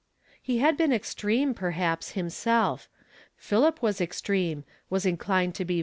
He had been extreme, perhaps, himself ; Philip was extreme, was inclined to be visionary.